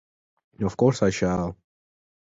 Of course I shall!